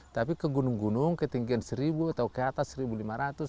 tapi ke gunung gunung ketinggian seribu atau ke atas seribu lima ratus